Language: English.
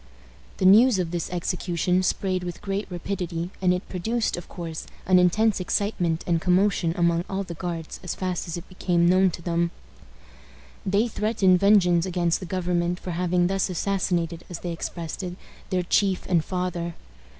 The news of this execution spread with great rapidity, and it produced, of course, an intense excitement and commotion among all the Guards as fast as it became known to them. They threatened vengeance against the government for having thus assassinated, as they expressed it, their chief and father.